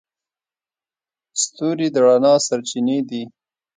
ستوري د رڼا سرچینې دي.